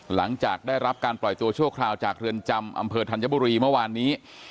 หลังจากได้รับการปล่อยตัวชั่วคราวจากเรือนจำอำเภอธัญบุรีเมื่อวานนี้